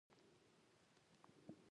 بيا يې هم هماغه څيز راواخيست.